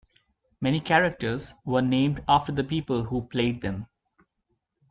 Many characters were named after the people who played them.